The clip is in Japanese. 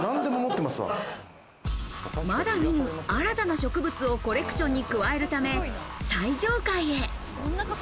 まだ見ぬ新たな植物をコレクションに加えるため最上階へ。